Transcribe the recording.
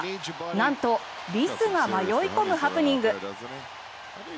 なんとリスが迷い込むハプニング。